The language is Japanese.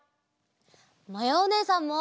まやおねえさんも！